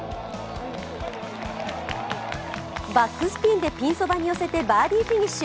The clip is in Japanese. バックスピンでピンそばに寄せてバーディーフィニッシュ。